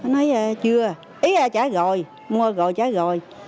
nói chưa ý là trả rồi mua rồi trả rồi